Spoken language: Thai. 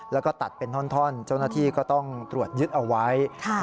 แล้วก็ตัดเป็นท่อนเจ้าหน้าที่ก็ต้องตรวจยึดเอาไว้